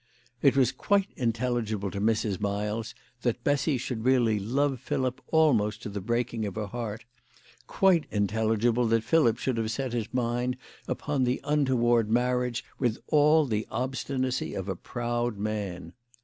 It was quite intelligible to Mrs. Miles that Bessy should really love Philip almost to the breaking of her heart, quite intelligible that Philip should have set his mind upon the untoward marriage with all the obstinacy of a proud man.